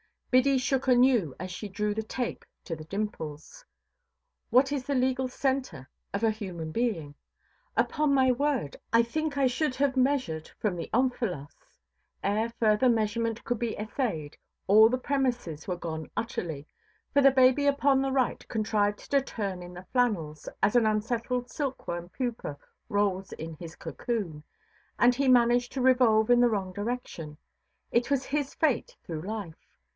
Biddy shook anew, as she drew the tape to the dimples. What is the legal centre of a human being? Upon my word, I think I should have measured from the ὀμφαλός. Ere further measurement could be essayed, all the premises were gone utterly; for the baby upon the right contrived to turn in the flannels, as an unsettled silkworm pupa rolls in his cocoon. And he managed to revolve in the wrong direction; it was his fate through life.